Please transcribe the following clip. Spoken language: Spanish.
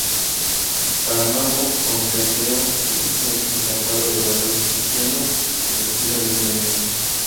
Saramago, aunque ateo, se dice empapado de valores cristianos, que respira desde la niñez.